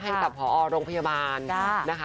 ให้กับพอโรงพยาบาลนะคะ